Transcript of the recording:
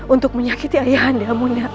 untuk menyakiti ayah anda